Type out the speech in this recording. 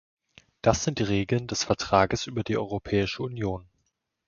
Das sind die Regeln des Vertrages über die Europäische Union.